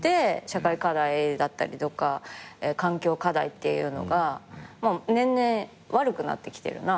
社会課題だったりとか環境課題っていうのが年々悪くなってきてるなっていう。